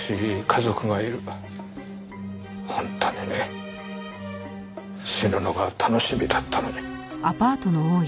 本当にね死ぬのが楽しみだったのに。